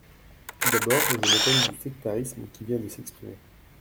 Tout d’abord, je m’étonne du sectarisme qui vient de s’exprimer.